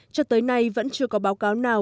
cho tới nay vẫn chưa có báo cáo nào